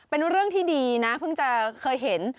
เป็นเรื่องที่ดีนะเพิ่งจะเคยเห็น